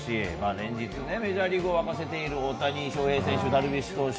連日、メジャーリーグを沸かせている大谷翔平投手ダルビッシュ投手。